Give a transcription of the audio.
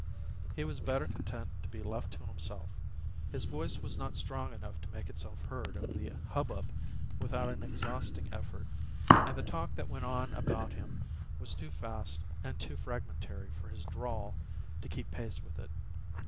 He was better content to be left to himself; his voice was not strong enough to make itself heard over the hubbub without an exhausting effort, and the talk that went on about him was too fast and too fragmentary for his drawl to keep pace with it.